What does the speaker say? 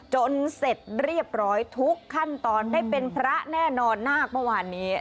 เสร็จเรียบร้อยทุกขั้นตอนได้เป็นพระแน่นอนนาคเมื่อวานนี้